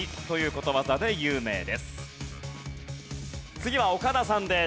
次は岡田さんです。